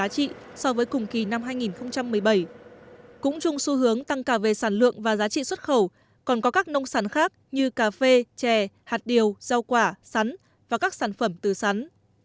cũng chung xu hướng tăng cả về sản lượng và giá trị xuất khẩu còn có các nông sản khác như cà phê chè hạt điều rau quả sắn và các sản phẩm từ sắn